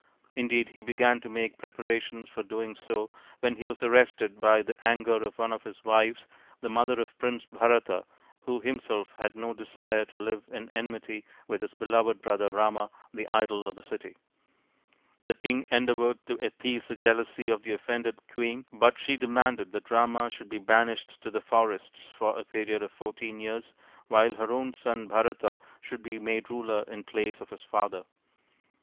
Indeed he began to make preparations for doing so when he was arrested by the anger of one of his wives, the mother of Prince Bharata, who him self had no desire to live in enmity with his beloved brother Rama, the idol of the city. The king endeavoured to appease the jealousy of the offended queen, but she demanded that Rama should be banished to the forests for a period of fourteen years while her own son Bharata should be made ruler in place of his father.